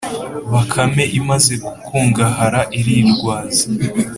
Bakame imaze gukungahara irirwaza